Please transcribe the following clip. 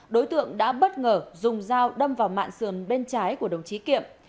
đối tượng đã bất ngờ dùng dao đâm vào mạng sườn bên trái của đồng chí kiệm